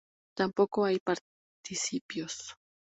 Tampoco hay participios.